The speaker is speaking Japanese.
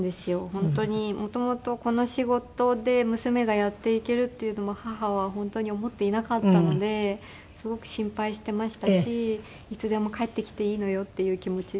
本当に元々この仕事で娘がやっていけるっていうのも母は本当に思っていなかったのですごく心配していましたしいつでも帰ってきていいのよっていう気持ちで。